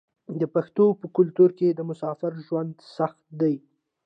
د پښتنو په کلتور کې د مسافرۍ ژوند سخت دی.